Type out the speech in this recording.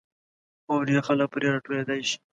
او ډېر خلک پرې را ټولېدای شي.